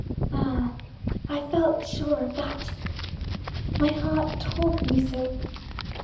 "Ah, I felt sure of that. My heart told me so.